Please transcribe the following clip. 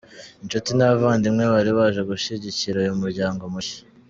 Inshuti n’abavandimwe bari baje gushyigikira uyu muryango mushya.